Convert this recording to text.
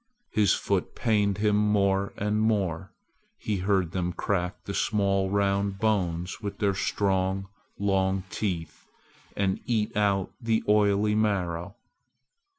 His foot pained him more and more. He heard them crack the small round bones with their strong long teeth and eat out the oily marrow.